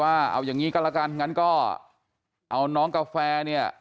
ว่าเอาอย่างนี้ก็แล้วกันอย่างนั้นก็เอาน้องกาแฟ